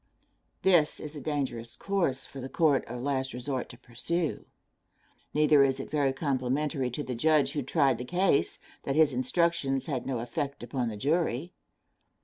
This is a dangerous course for the court of last resort to pursue; neither is it very complimentary to the judge who tried the case, that his instructions had no effect upon the jury.